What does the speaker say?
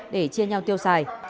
để chia nhau tiêu xài